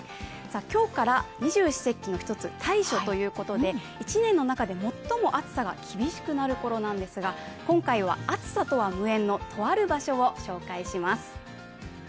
今日から二十四節気の１つ、大暑ということで、一年の中で最も暑さが厳しくなるころなんですが、今回は暑さとは無縁のとある場所を紹介します。